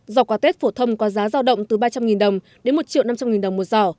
giò quả tết phổ thông có giá giao động từ ba trăm linh đồng đến một năm trăm linh đồng một giò